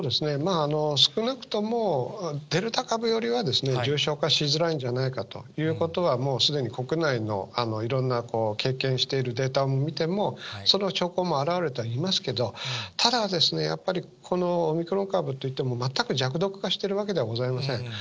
少なくともデルタ株よりは重症化しづらいんじゃないかということは、もうすでに、国内のいろんな経験しているデータを見ても、その証拠も表れてはいますけれども、ただ、やっぱり、このオミクロン株といっても、全く弱毒化しているわけではございません。